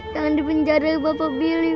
jangan dipenjara bapak billy